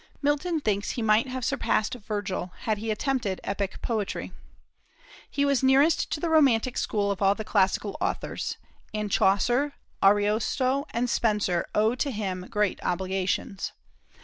Milton thinks he might have surpassed Virgil, had he attempted epic poetry. He was nearest to the romantic school of all the classical authors; and Chaucer, Ariosto, and Spenser owe to him great obligations.